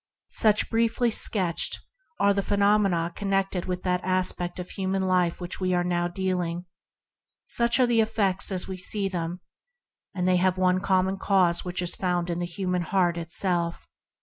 Such, briefly sketched, are the phenomena connected with that aspect of human life with which we are now dealing; such are the effects as we see them; and they have one common cause that is found in the human heart itself.